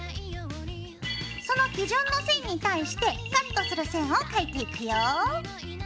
その基準の線に対してカットする線を描いていくよ。